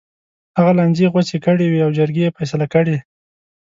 هغه لانجې غوڅې کړې وې او جرګې یې فیصله کړې.